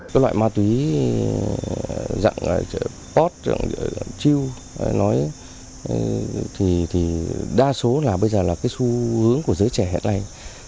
các loại ma túy dạng pot chiêu đa số bây giờ là xu hướng của giới trẻ hẹn này